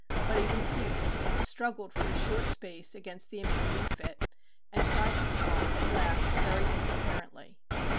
But he refused, struggled for a short space against the impending fit, and tried to talk, at last very incoherently.